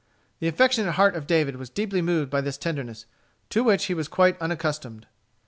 The affectionate heart of David was deeply moved by this tenderness, to which he was quite unaccustomed.